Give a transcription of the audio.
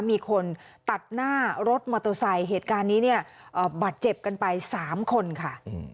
มีคนตัดหน้ารถมอเตอร์ไซค์เหตุการณ์นี้เนี่ยบาดเจ็บกันไป๓คนค่ะ